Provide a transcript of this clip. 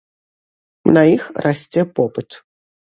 На іх расце попыт.